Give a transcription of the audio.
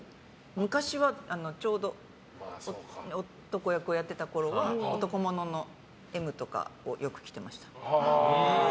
昔は、ちょうど男役をやっていたころは男物のＭとかをよく着ていました。